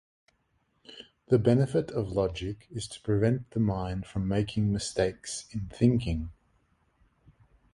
The benefit of logic is to prevent the mind from making mistakes in thinking.